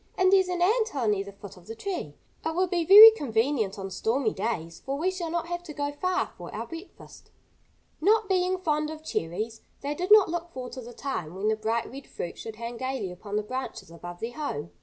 "And there's an ant hill near the foot of the tree. It will be very convenient on stormy days, for we shall not have to go far for our breakfast." Not being fond of cherries, they did not look forward to the time when the bright red fruit should hang gaily upon the branches above their home.